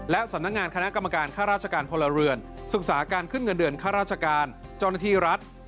และสำนักงานคณะกรรมการค่าราชการพลเรือนศึกษาการขึ้นเงินเดือนค่าราชการเจ้าหน้าที่รัฐ